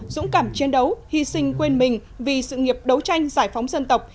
dũng cảm chiến đấu hy sinh quên mình vì sự nghiệp đấu tranh giải phóng dân tộc